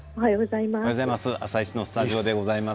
「あさイチ」のスタジオでございます。